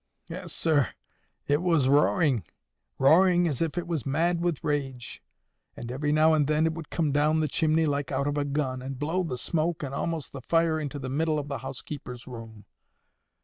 "Eh, sir, it was roaring! roaring as if it was mad with rage! And every now and then it would come down the chimley like out of a gun, and blow the smoke and a'most the fire into the middle of the housekeeper's room.